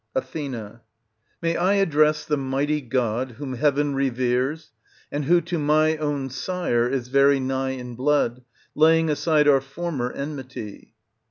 Ath. May I address the mighty god whom Heaven reveres and who to my own sire is very nigh in blood, laying aside our former enmity